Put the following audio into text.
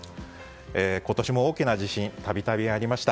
今年も大きな地震が度々ありました。